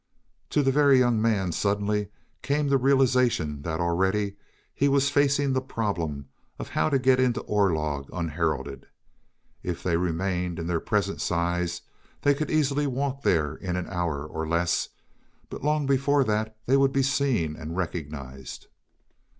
To the Very Young Man suddenly came the realization that already he was facing the problem of how to get into Orlog unheralded. If they remained in their present size they could easily walk there in an hour or less. But long before that they would be seen and recognized.